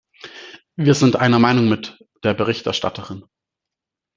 Wir sind einer Meinung mit der Berichterstatterin.